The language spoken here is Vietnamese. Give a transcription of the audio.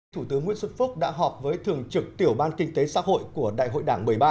thủ tướng nguyễn xuân phúc đã họp với thường trực tiểu ban kinh tế xã hội của đại hội đảng một mươi ba